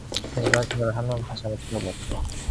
그는 이러한 생각을 하며 할멈을 다시 한번 쳐다보았다.